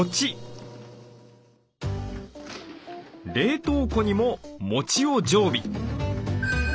冷凍庫にももちを常備。